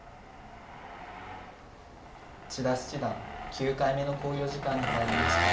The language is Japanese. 千田七段９回目の考慮時間に入りました。